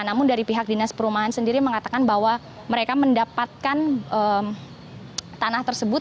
namun dari pihak dinas perumahan sendiri mengatakan bahwa mereka mendapatkan tanah tersebut